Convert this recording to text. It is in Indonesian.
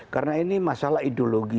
karena ini masalah ideologi